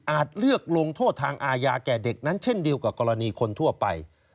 เลือกลงโทษทางอาญาแก่เด็กนั้นเช่นเดียวกับกรณีคนทั่วไป